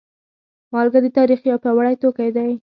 مالګه د تاریخ یو پیاوړی توکی دی.